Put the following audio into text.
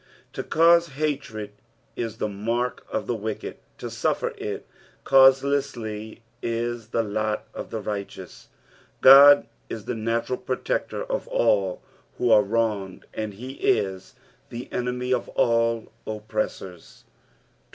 To cause hatred is the mark of the wicked, to suffer it causelessly is the lot of the righteous. Qod is the natuml Protector of all who are wronged, and lie ii the enemy of all oppressors. 80.